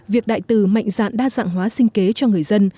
việc đại từ mạnh dạn đa dạng hóa sinh kế cho người dân